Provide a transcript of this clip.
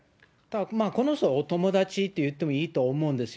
この人、お友達っていってもいいと思うんですよ。